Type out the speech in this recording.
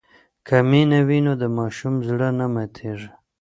که مینه وي نو د ماشوم زړه نه ماتېږي.